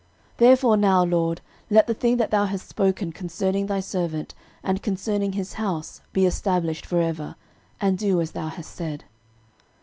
13:017:023 Therefore now, LORD, let the thing that thou hast spoken concerning thy servant and concerning his house be established for ever, and do as thou hast said.